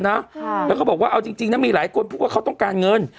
นะค่ะแล้วก็บอกว่าเอาจริงจริงนะมีหลายคนพูดว่าเขาต้องการเงิน